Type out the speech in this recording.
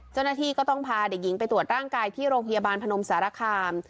เจ้าหน้าที่ก็ต้องพาเด็กหญิงไปตรวจร่างกายที่โรงพยาบาลพนมสารคาม